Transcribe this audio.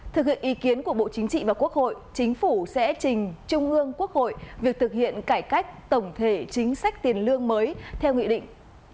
thực hiện ý kiến của bộ chính trị và quốc hội chính phủ sẽ trình trung ương quốc hội việc thực hiện cải cách tổng thể chính sách tiền lương mới theo nghị định